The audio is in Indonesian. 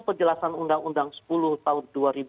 penjelasan undang undang sepuluh tahun